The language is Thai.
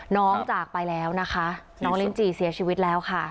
จากไปแล้วนะคะน้องลินจีเสียชีวิตแล้วค่ะ